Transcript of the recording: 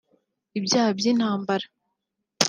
ibyaha by’intambara